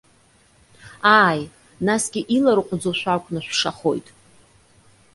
Ааи, насгьы иларҟәӡоу шәакәны шәшахоит.